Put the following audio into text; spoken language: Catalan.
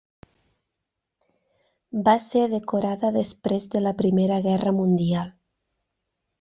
Va ser decorada després de la Primera Guerra Mundial.